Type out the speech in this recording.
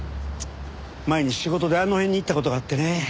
前に仕事であの辺に行った事があってね。